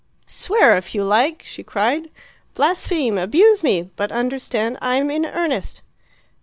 "Swear if you like!" she cried. "Blaspheme! Abuse me! But understand, I'm in earnest."